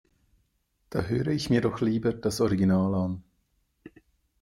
Da höre ich mir doch lieber das Original an.